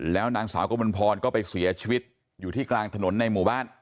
แล้วนางสาวกมลพรก็ไปเสียชีวิตอยู่ที่กลางถนนในหมู่บ้าน